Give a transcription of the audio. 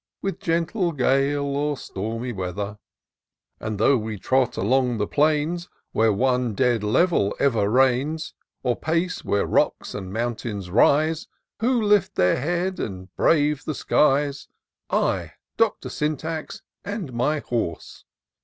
With gentle gale or stormy weather ; And, though we trot along the plains, Where one dead level ever reigns. Or pace where rocks and mountains rise. Who lift their heads, and brave the skies ; I, Doctor Syntax, and my horse.